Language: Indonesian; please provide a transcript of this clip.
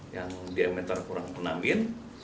yang diameter kurang menangin